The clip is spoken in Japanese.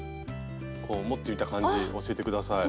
こう持ってみた感じ教えて下さい。